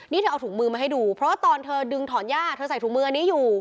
นี่เธอเอาถุงมือมาให้ดูเพราะว่าตอนเธอดึงถอนหญ้าเธอใส่ถุงมืออันนี้อยู่